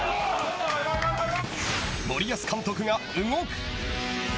森保監督が動く。